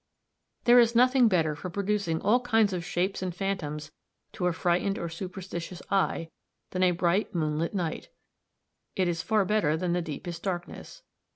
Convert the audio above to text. There is nothing better for producing all kinds of shapes and phantoms to a frightened or superstitious eye, than a bright, moonlight night. It is far better than the deepest darkness.